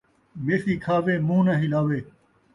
Messi کھاوے ، مون٘ہہ ناں ہلاوے